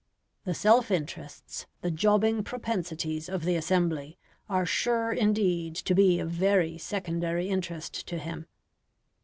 The self interests, the jobbing propensities of the assembly are sure indeed to be of very secondary interest to him.